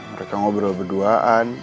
mereka ngobrol berduaan